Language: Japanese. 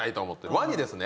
ワニですね。